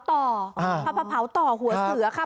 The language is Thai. เอามาเผาต่อหัวเสือค่ะ